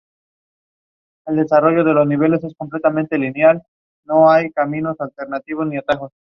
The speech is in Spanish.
Pasó tres años en distintos campos de concentración, donde enfermó de tuberculosis.